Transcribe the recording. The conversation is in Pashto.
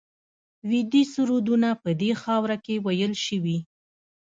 ویدي سرودونه په دې خاوره کې ویل شوي